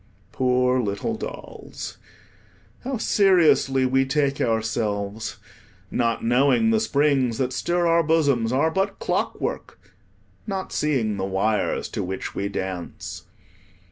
Poor little dolls, how seriously we take ourselves, not knowing the springs that stir our bosoms are but clockwork, not seeing the wires to which we dance.